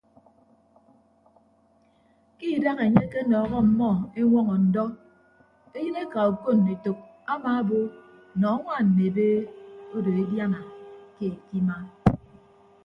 Ke idaha enye akenọọhọ ọmmọ eñwọñọ ndọ eyịneka okon etәk amaabo nọ añwaan mme ebe odo ediana keed ke ima.